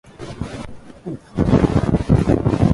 不疼